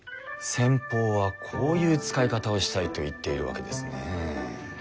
先方はこういう使い方をしたいと言っているわけですね。